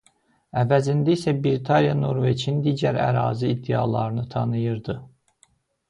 Əvəzində isə Britaniya Norveçin digər ərazi iddialarını tanıyırdı.